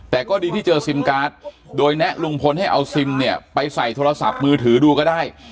แต่ก็ดีที่เจอซิมการ์ดโดยแนะลุงพลให้เอาซิมเนี่ยไปใส่โทรศัพท์มือถือดูก็ได้